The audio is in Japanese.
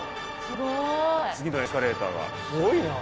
すごいなぁ。